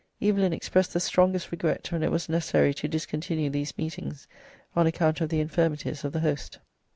Evelyn expressed the strongest regret when it was necessary to discontinue these meetings on account of the infirmities of the host.